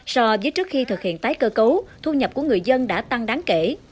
so với trước khi thực hiện tái cơ cấu thu nhập của người dân đã tăng đáng kể